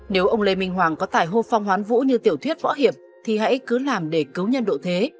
nếu ông lê minh hoàng có tài hô phong hoán vũ như tiểu thuyết võ hiệp thì hãy cứ làm để cứu nhân độ thế